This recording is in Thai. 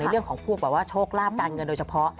เรื่องของพวกแบบว่าโชคลาภการเงินโดยเฉพาะ